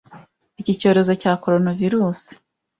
Iki cyorezo cya coronavirus